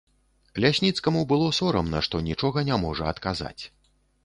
Лясніцкаму было сорамна, што нічога не можа адказаць.